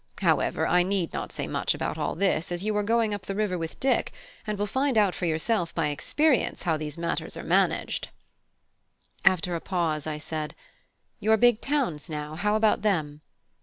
However, I need not say much about all this, as you are going up the river with Dick, and will find out for yourself by experience how these matters are managed." After a pause, I said: "Your big towns, now; how about them?